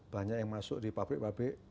banyak yang masuk di pabrik pabrik